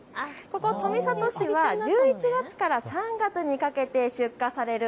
ここ富里市は１１月から３月にかけて出荷される